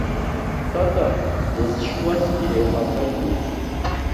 Тата дызшьуаз иреиҳахеит уи.